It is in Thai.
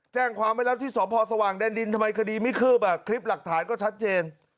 แจ้งความไว้แล้วที่สพสว่างแดนดินทำไมคดีไม่คืบคลิปหลักฐานก็ชัดเจน